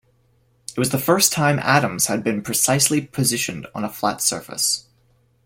It was the first time atoms had been precisely positioned on a flat surface.